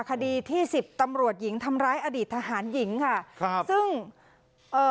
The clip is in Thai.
คดีที่สิบตำรวจหญิงทำร้ายอดีตทหารหญิงค่ะครับซึ่งเอ่อ